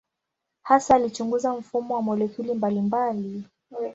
Hasa alichunguza mfumo wa molekuli mbalimbali.